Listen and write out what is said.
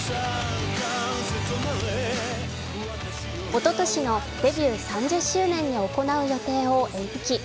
おととしのデビュー３０周年に行う予定を延期。